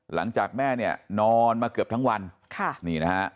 หลังจากแม่เนี่ยนอนมาเกือบทั้งวัน